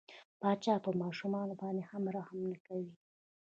پاچا په ماشومان باندې هم رحم نه کوي.